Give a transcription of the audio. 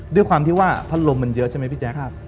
ด้วยความที่ว่าพัดลมมันเยอะใช่ไหมพี่แจ๊ค